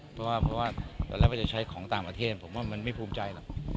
เพราะว่าตอนแรกมันจะใช้ของต่างประเทศผมว่ามันไม่ภูมิใจหรอก